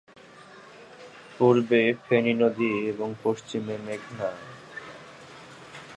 পূর্বে ফেনী নদী এবং পশ্চিমে মেঘনা।